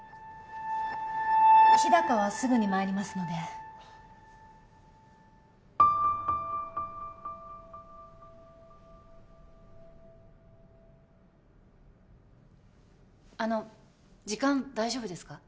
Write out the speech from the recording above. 日高はすぐにまいりますのであの時間大丈夫ですか？